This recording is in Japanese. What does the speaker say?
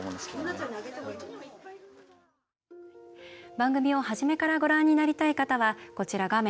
番組を初めからご覧になりたい方はこちら画面